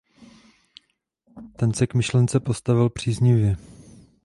Ten se k myšlence postavil příznivě.